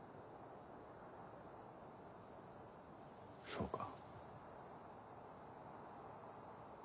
そうか。